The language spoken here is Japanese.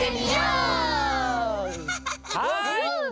はい！